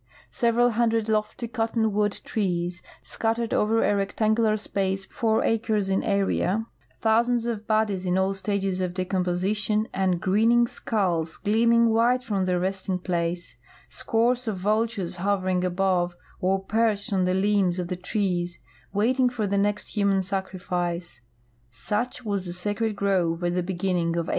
Several hundred lofty cottonwood trees, scattered over a rectangular space four acres in area, thou sands of bodies in all stages of de com))osition and grinning skulls gleaming white from their resting place, scores of vultures hovering above or perched on the limbs of the trees waiting for the next human sacrifice — such was the Sacred Grove at the beginning of 1896.